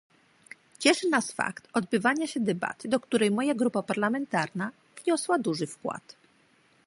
Cieszy nas fakt odbywania się debaty, do której moja grupa parlamentarna wniosła duży wkład